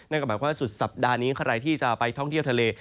หมายความว่าสุดสัปดาห์นี้ใครที่จะไปท่องเที่ยวทะเล